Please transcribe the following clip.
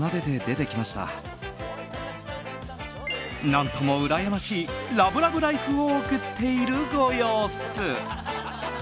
何ともうらやましいラブラブライフを送っているご様子。